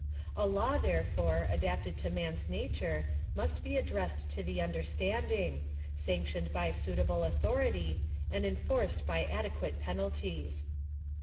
A law, therefore, adapted to man's na ture, must be addressed to the understanding — sanctioned by suitable authority ; and enforced by adequate penalties.